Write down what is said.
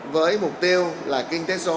với mục tiêu là kinh tế số